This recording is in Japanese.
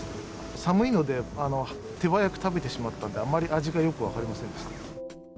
寒いので、手早く食べてしまったんで、あんまり味がよく分かりませんでした。